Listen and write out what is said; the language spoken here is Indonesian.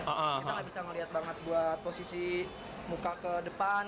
kita nggak bisa melihat banget buat posisi muka ke depan